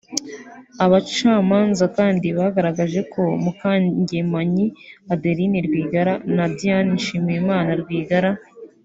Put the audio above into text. Abacamanza kandi bagaragaje ko Mukangemanyi Adeline Rwigara na Diane Nshimiyimana Rwigara